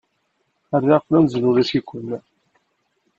Rriɣ-ken amzun ulac-iken.